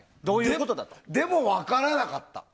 でも分からなかった。